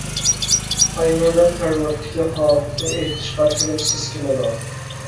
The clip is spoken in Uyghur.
ئاينۇرنىڭ كارىۋاتتىكى ھالىتىنى ئېيتىشقا تىلىم سەسكىنىدۇ.